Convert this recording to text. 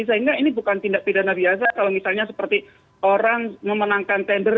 sehingga ini bukan tindak pidana biasa kalau misalnya seperti orang memenangkan tender